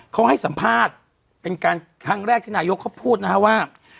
เขาให้สัมภาษณ์เป็นการครั้งแรกที่นายกเขาพูดนะฮะว่า